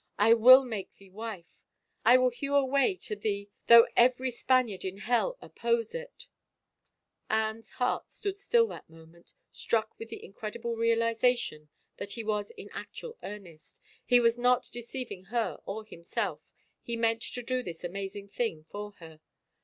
I will make thee wife. I will hew a way to thee though every Spaniard in hell oppose it I" Anne's heart stood still that moment, struck with the incredible realization that he was in actual earnest, he was not deceiving her or himself, he meant to do this amazing thing for her